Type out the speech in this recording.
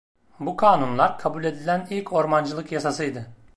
Bu kanunlar kabul edilen ilk ormancılık yasasıydı.